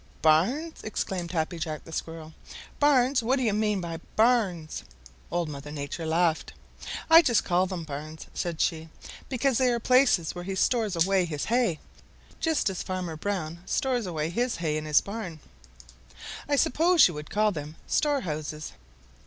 "Barns!" exclaimed Happy Jack Squirrel. "Barns! What do you mean by barns?" Old Mother Nature laughed. "I just call them barns," said she, "because they are the places where he stores away his hay, just as Farmer Brown stores away his hay in his barn. I suppose you would call them storehouses."